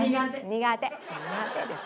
苦手です。